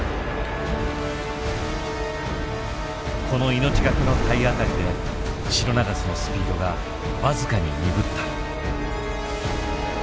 この命懸けの体当たりでシロナガスのスピードが僅かに鈍った。